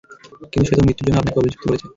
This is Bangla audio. কিন্তু সে তো মৃত্যুর জন্য আপনাকে অভিযুক্ত করছে।